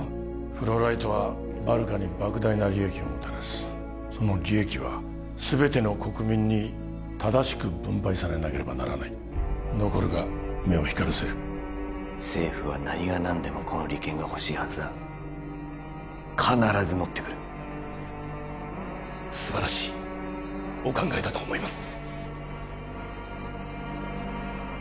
フローライトはバルカに莫大な利益をもたらすその利益は全ての国民に正しく分配されなければならないノコルが目を光らせる政府は何が何でもこの利権がほしいはずだ必ず乗ってくる素晴らしいお考えだと思います